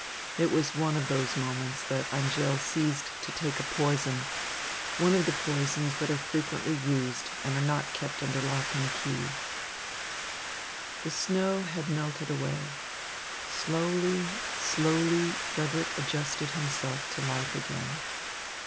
It was one of those moments that Angèle seized to take poison, one of the poisons that are frequently used and are not kept under lock and key." The snow had melted away. Slowly, slowly Frederick adjusted himself to life again.